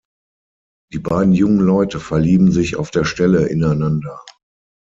Die beiden jungen Leute verlieben sich auf der Stelle ineinander.